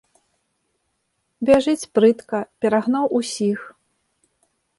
Бяжыць прытка, перагнаў усіх.